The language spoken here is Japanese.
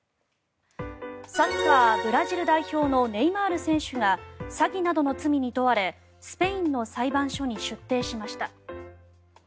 サッカーブラジル代表のネイマール選手が詐欺などの罪に問われスペインの裁判所に出廷しました。